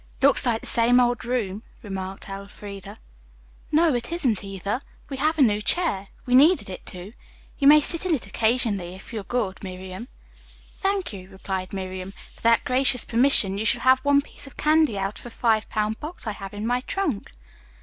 "Looks like the same old room," remarked Elfreda. "No, it isn't, either. We have a new chair. We needed it, too. You may sit in it occasionally, if you're good, Miriam." "Thank you," replied Miriam. "For that gracious permission you shall have one piece of candy out of a five pound box I have in my trunk."